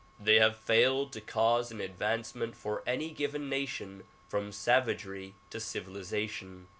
They have failed to cause an advancement for any given nation from savagery to civilization.